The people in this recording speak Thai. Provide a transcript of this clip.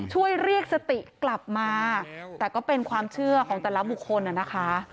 ช่วยเรียกสติกลับมาแต่ก็เป็นความเชื่อของแต่ละบุคคลนะคะ